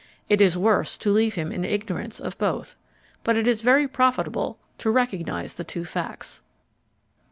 It is worse to leave him in ignorance of both. But it is very profitable to recognise the two facts.